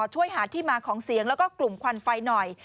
ช่วยหาที่มาของเสียงแล้วก็กลุ่มควันไฟหน่อย